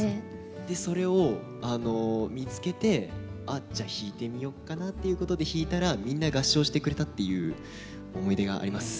でそれを見つけてあっじゃあ弾いてみようかなっていうことで弾いたらみんな合唱してくれたっていう思い出があります。